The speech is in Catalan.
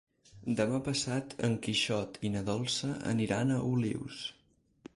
Demà passat en Quixot i na Dolça aniran a Olius.